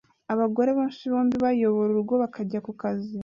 Abagore benshi bombi bayobora urugo bakajya kukazi